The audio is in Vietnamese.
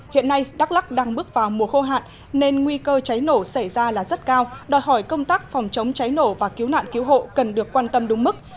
hiện nay đắk lắc đang bước vào mùa khô hạn nên nguy cơ cháy nổ xảy ra là rất cao đòi hỏi công tác phòng chống cháy nổ và cứu nạn cứu hộ cần được quan tâm đúng mức